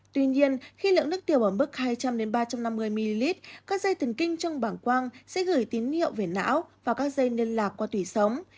tuy nhiên khi lượng nước tiểu ở mức hai trăm linh ba trăm năm mươi ml các dây tần kinh trong bằng quang sẽ gửi tín hiệu về não và các dây liên lạc qua tủy sống